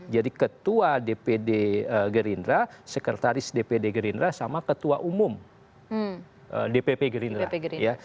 jadi ketua dpd gerindra sekretaris dpd gerindra sama ketua umum dpp gerindra